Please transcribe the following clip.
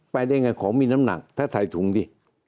ไปได้อย่างไรของมีน้ำหนักถ้าใส่ถุงดิ